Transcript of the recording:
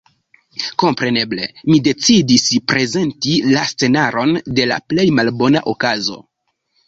Kompreneble, mi decidis prezenti la scenaron de la plej malbona okazo.